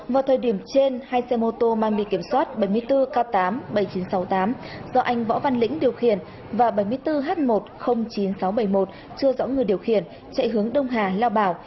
vào thời điểm trên hai xe mô tô mang bị kiểm soát bảy mươi bốn k tám mươi bảy nghìn chín trăm sáu mươi tám do anh võ văn lĩnh điều khiển và bảy mươi bốn h một trăm linh chín nghìn sáu trăm bảy mươi một chưa rõ người điều khiển chạy hướng đông hà lao bảo